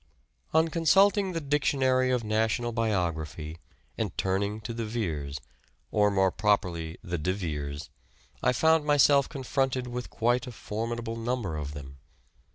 On consulting the Dictionary of National Biography Dictionary and turning to the Veres, or more properly the De Biography. Veres, I found myself confronted with quite a for midable number of them.